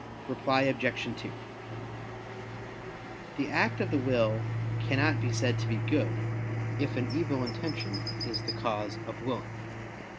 Reply Obj. 2: The act of the will cannot be said to be good, if an evil intention is the cause of willing.